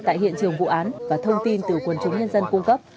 tại hiện trường vụ án và thông tin từ quần chúng nhân dân cung cấp